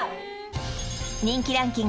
人気ランキング